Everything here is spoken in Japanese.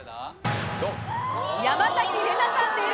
山崎怜奈さんです。